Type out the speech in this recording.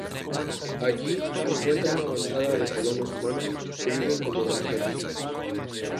Allí encuentra una avanzada de colonos humanos que viven como granjeros.